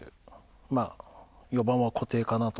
まあ４番は固定かなと。